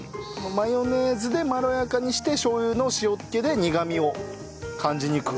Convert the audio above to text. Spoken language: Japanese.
マヨネーズでまろやかにしてしょう油の塩っ気で苦みを感じにくくさせるそうです。